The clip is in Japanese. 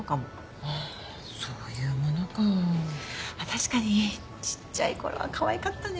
確かにちっちゃいころはかわいかったね。